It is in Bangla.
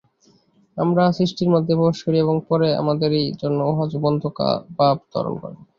আমরা সৃষ্টির মধ্যে প্রবেশ করি এবং পরে আমাদেরই জন্য উহা জীবন্তভাব ধারণ করে।